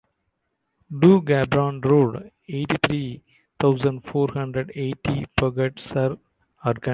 du Gabron Road, eighty-three thousand four hundred eighty Puget-sur-Argens